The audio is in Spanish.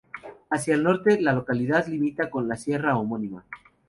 Hacia el norte la localidad limita con la sierra homónima.